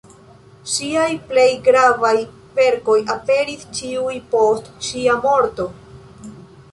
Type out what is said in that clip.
Ŝiaj plej gravaj verkoj aperis ĉiuj post ŝia morto.